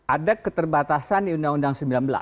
ada keterbatasan di undang undang sembilan belas